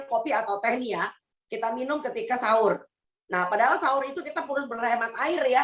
kopi atau teh nih ya kita minum ketika sahur nah padahal sahur itu kita perlu berhemat air ya